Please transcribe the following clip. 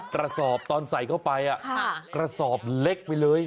กระสอบตอนใส่เข้าไปกระสอบเล็กไปเลย